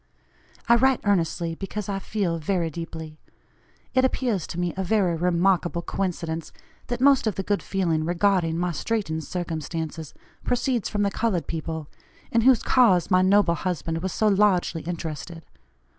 I write earnestly, because I feel very deeply. It appears to me a very remarkable coincidence, that most of the good feeling regarding my straitened circumstances proceeds from the colored people, in whose cause my noble husband was so largely interested.